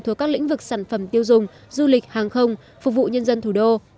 thuộc các lĩnh vực sản phẩm tiêu dùng du lịch hàng không phục vụ nhân dân thủ đô